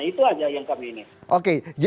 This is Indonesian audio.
itu aja yang kami ini